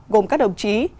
gồm các đồng chí